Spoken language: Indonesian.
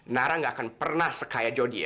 nara gak akan pernah sekaya jody ya